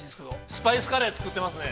◆スパイスカレーを作ってますね。